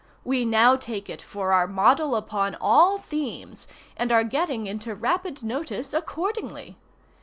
We now take it for our model upon all themes, and are getting into rapid notice accordingly.